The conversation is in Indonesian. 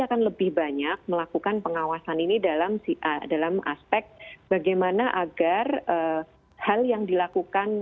akan lebih banyak melakukan pengawasan ini dalam aspek bagaimana agar hal yang dilakukan